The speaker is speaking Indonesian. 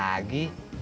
kan yang mau nikah abang